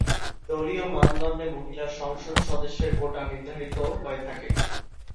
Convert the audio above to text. দলীয় মানদণ্ডে মহিলা সংসদ সদস্যের কোটা নির্ধারিত হয়ে থাকে।